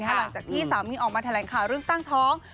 หลังจากที่สามีออกมาแถลงข่าวเรื่องตั้งท้อง